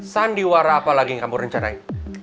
sandiwara apa lagi yang kamu rencanain